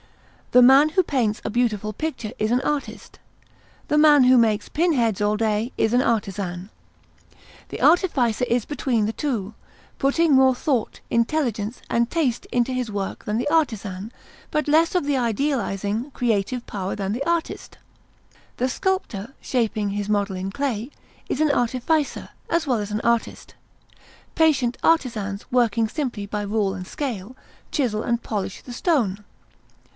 The man who paints a beautiful picture is an artist; the man who makes pin heads all day is an artisan. The artificer is between the two, putting more thought, intelligence, and taste into his work than the artisan, but less of the idealizing, creative power than the artist. The sculptor, shaping his model in clay, is artificer, as well as artist; patient artisans, working simply by rule and scale, chisel and polish the stone.